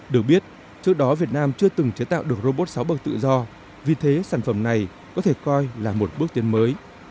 được biết trước đó việt nam chưa từng chế tạo được robot sáu bậc tự do vì thế sản phẩm này có thể coi là một bước tiến mới